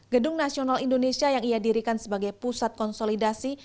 gedung nasional indonesia yang ia dirikan sebagai pusat konsolidasi